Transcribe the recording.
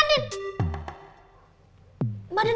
eh mbak andin